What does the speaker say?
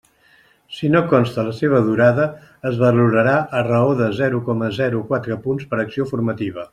Si no consta la seva durada, es valorarà a raó de zero coma zero quatre punts per acció formativa.